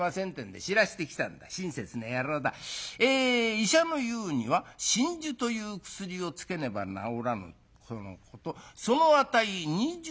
『医者の言うには真珠という薬をつけねば治らぬとのことその値２０両』。